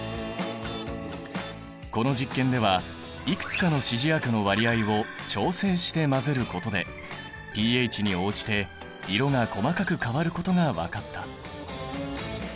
この実験ではいくつかの指示薬の割合を調整して混ぜることでｐＨに応じて色が細かく変わることが分かった。